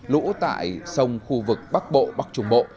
lũ tại sông khu vực bắc bộ bắc trung bộ